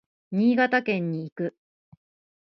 新潟県に行く。